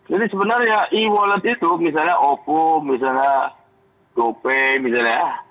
jadi sebenarnya e wallet itu misalnya oppo misalnya gopay misalnya